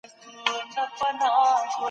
په مابينځ کي يو درز پیدا سو.